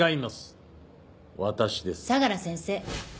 相良先生。